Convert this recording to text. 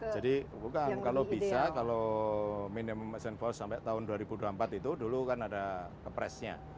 jadi bukan kalau bisa kalau minimum essential force sampai tahun dua ribu dua puluh empat itu dulu kan ada kepresnya